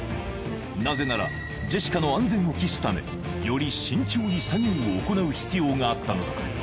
なぜならジェシカの安全を期すためより慎重に作業を行う必要があった